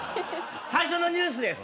最初のニュースです。